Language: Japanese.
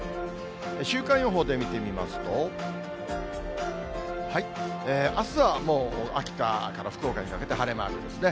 週間予報で見てみますと、あすはもう秋田から福岡にかけて晴れマークですね。